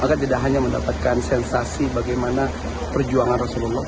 maka tidak hanya mendapatkan sensasi bagaimana perjuangan rasulullah